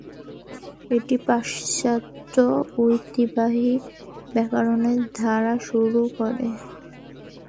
এটি পাশ্চাত্যে ঐতিহ্যবাহী ব্যাকরণের ধারা শুরু করে।